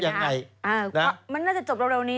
มันน่าจะจบเร็วนี้